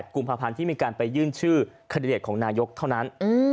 กุมภาพันธ์ที่มีการไปยื่นชื่อคันดิเดตของนายกเท่านั้น